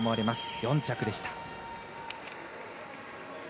４着でした。